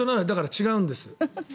だから、違うんです。